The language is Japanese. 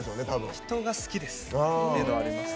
人が好きです。